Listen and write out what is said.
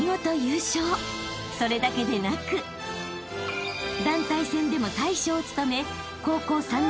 ［それだけでなく団体戦でも大将を務め］